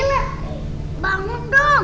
mau dapet dong